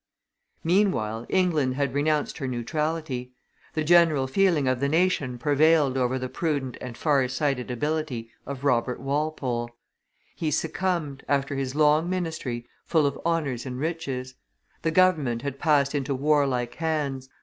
Meanwhile England had renounced her neutrality; the general feeling of the nation prevailed over the prudent and farsighted ability of Robert Walpole; he succumbed, after his long ministry, full of honors and riches; the government had passed into warlike hands.